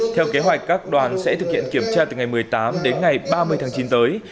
theo kế hoạch các đoàn sẽ thực hiện kiểm tra từ ngày một mươi tám đến ngày ba mươi tháng chín tới